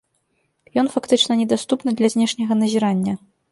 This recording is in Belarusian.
Ён фактычна недаступны для знешняга назірання.